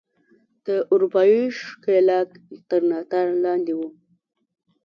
د اروپايي ښکېلاک تر ناتار لاندې وو.